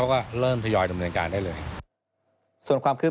โดยรฟทจะประชุมและปรับแผนให้สามารถเดินรถได้ทันในเดือนมิถุนายนปี๒๕๖๓